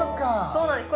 そうなんです